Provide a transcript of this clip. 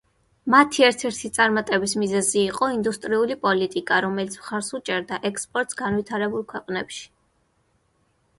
მათი ერთ-ერთი წარმატების მიზეზი იყო ინდუსტრიული პოლიტიკა, რომელიც მხარს უჭერდა ექსპორტს განვითარებულ ქვეყნებში.